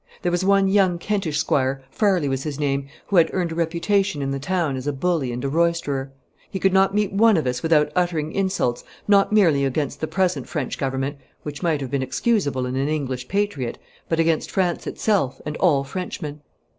There was one young Kentish squire, Farley was his name, who had earned a reputation in the town as a bully and a roisterer. He could not meet one of us without uttering insults not merely against the present French Government, which might have been excusable in an English patriot, but against France itself and all Frenchmen.